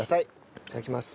いただきます。